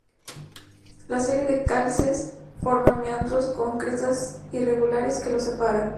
Las series de cálices forman meandros, con crestas irregulares que los separan.